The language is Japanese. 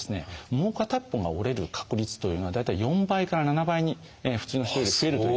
もう片一方が折れる確率というのが大体４倍から７倍に普通の人より増えるという。